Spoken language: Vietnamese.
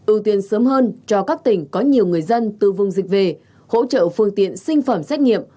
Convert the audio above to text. ưu tiên sớm hơn cho các tỉnh có nhiều người dân từ vùng dịch về hỗ trợ phương tiện sinh phẩm xét nghiệm